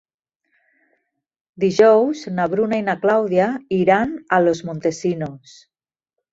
Dijous na Bruna i na Clàudia iran a Los Montesinos.